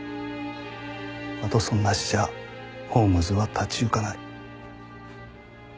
ワトソンなしじゃホームズは立ち行かない。